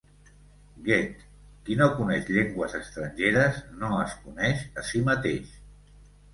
Goethe: qui no coneix llengües estrangeres, no es coneix a si mateix.